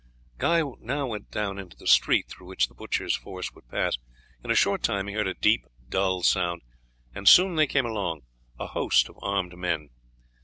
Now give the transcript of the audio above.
Guy now went down into the street through which the butchers' force would pass. In a short time he heard a deep dull sound, and soon they came along, a host of armed men.